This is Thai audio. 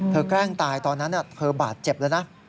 แกล้งตายตอนนั้นเธอบาดเจ็บแล้วนะ